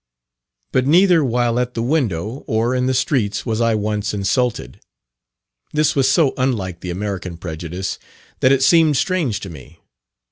But neither while at the window, or in the streets, was I once insulted. This was so unlike the American prejudice, that it seemed strange to me.